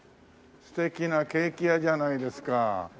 素敵なケーキ屋じゃないですか。